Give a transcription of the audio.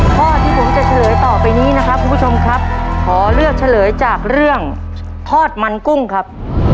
ข้อที่ผมจะเฉลยต่อไปนี้นะครับคุณผู้ชมครับขอเลือกเฉลยจากเรื่องทอดมันกุ้งครับ